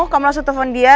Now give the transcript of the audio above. kamu langsung telepon dia